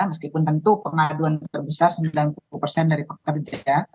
meskipun tentu pengaduan terbesar sembilan puluh persen dari pekerja